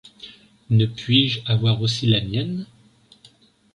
Ne puis-je avoir aussi la mienne !